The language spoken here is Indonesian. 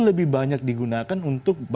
lebih banyak digunakan untuk